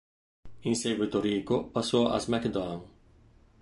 In seguito Rico passò a "SmackDown!